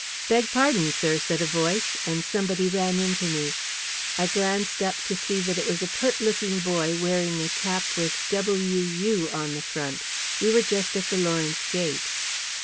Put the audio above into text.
"Beg pardon, sir," said a voice, and somebody ran into me. I glanced up to see that it was a pert looking boy, wearing a cap with "W. U." on the front. We were just at the Lawrence gate.